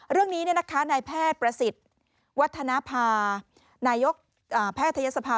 เรื่องนี้นายแพทย์ประสิทธิ์วัฒนภานายกแพทยศภา